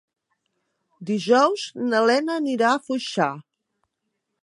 Dijous na Lena anirà a Foixà.